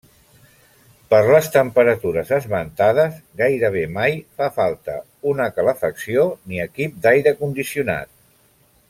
Per les temperatures esmentades gairebé mai fa falta una calefacció ni equip d'aire condicionat.